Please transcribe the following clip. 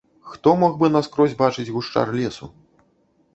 Хто мог бы наскрозь бачыць гушчар лесу?